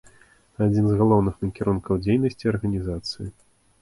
Адзін з галоўных накірункаў дзейнасці арганізацыі.